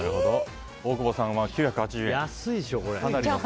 大久保さんは９８０円。